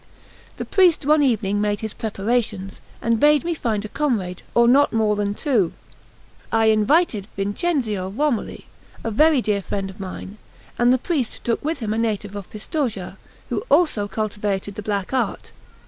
The priest one evening made his preparations, and bade me find a comrade, or not more than two. I invited Vincenzio Romoli, a very dear friend of mine, and the priest took with him a native of Pistoja, who also cultivated the black art.